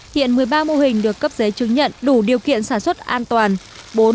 hiện một mươi ba mô hình được cấp giấy chứng nhận đủ điều kiện sản xuất an toàn